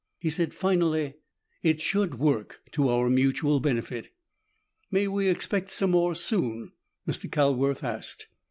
He said finally, "It should work to our mutual benefit." "May we expect some more soon?" Mr. Calworth asked.